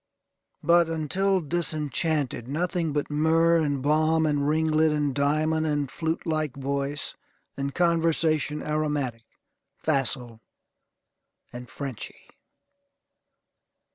But, until disenchanted, nothing but myrrh, and balm, and ringlet, and diamond, and flute like voice, and conversation aromatic, facile, and Frenchy.